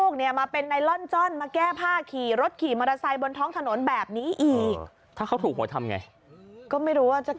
กมชายภูมิ